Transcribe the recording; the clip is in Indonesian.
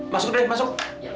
masuk dre masuk